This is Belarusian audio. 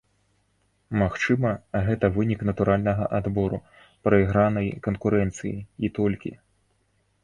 Магчыма, гэта вынік натуральнага адбору, прайгранай канкурэнцыі, і толькі?